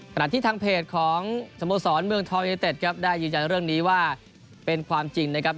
ขณะที่ทางเพจของสโมสรเมืองทองยูเนเต็ดครับได้ยืนยันเรื่องนี้ว่าเป็นความจริงนะครับ